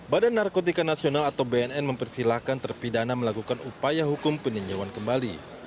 badan narkotika nasional atau bnn mempersilahkan terpidana melakukan upaya hukum peninjauan kembali